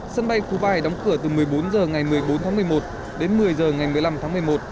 sân bay phú bài đóng cửa từ một mươi bốn h ngày một mươi bốn tháng một mươi một đến một mươi h ngày một mươi năm tháng một mươi một